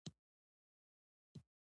په رشوتونو ولګولې.